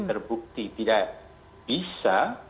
terbukti tidak bisa